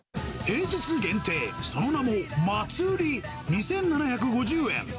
平日限定、その名も祭２７５０円。